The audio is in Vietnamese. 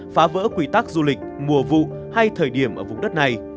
phá vỡ quy tắc du lịch mùa vụ hay thời điểm ở vùng đất này